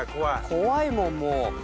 怖いもんもう。